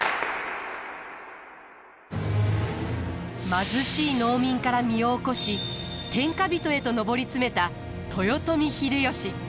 貧しい農民から身を起こし天下人へと上り詰めた豊臣秀吉。